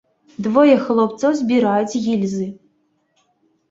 Двое хлопцаў збіраюць гільзы.